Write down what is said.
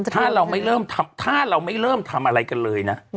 ถ้าเราไม่เริ่มทำอะไรกันเลยนะ